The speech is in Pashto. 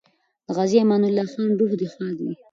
د غازي امان الله خان روح دې ښاد وي.